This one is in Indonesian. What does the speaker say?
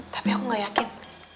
tapi aku tidak yakin